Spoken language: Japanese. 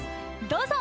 どうぞ！